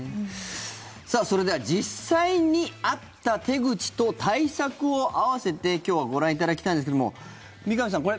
それでは実際にあった手口と対策を併せて今日はご覧いただきたいんですが三上さん